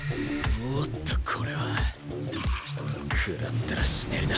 おっとこれはくらったら死ねるな。